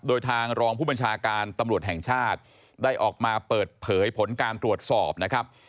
โดยทางรองผู้บัญชาการตำรวจแห่งชาติได้ออกมาเปิดเผยผลการตรวจสอบนะครับ